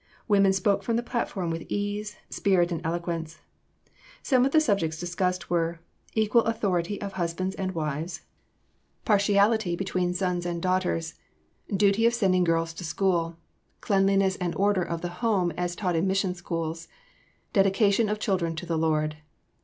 Women spoke from the platform with ease, spirit, and eloquence. Some of the subjects discussed were: Equal authority of husbands and wives Partiality between sons and daughters Duty of sending girls to school Cleanliness and order of the home as taught in mission schools Dedication of children to the Lord.